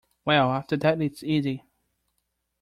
Well, after that it's easy.